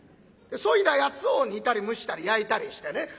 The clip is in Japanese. でそいだやつを煮たり蒸したり焼いたりしてね。